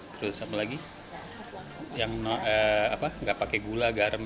terus apa lagi yang nggak pakai gula garam